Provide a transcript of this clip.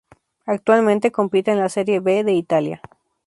Actualmente compite en la Serie B de Italia.